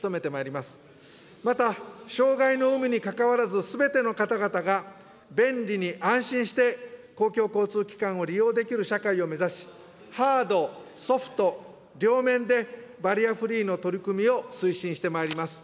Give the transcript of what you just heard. また、障害の有無にかかわらず、すべての方々が便利に安心して公共交通機関を利用できる社会を目指し、ハード・ソフト両面で、バリアフリーの取り組みを推進してまいります。